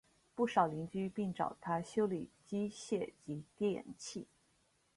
不少邻居并找他修理机械及电器。